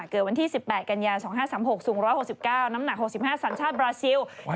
เกิดวันที่๑๘กันยา๒๕๓๖สูง๑๖๙น้ำหนัก๖๕สัญชาติบราซิล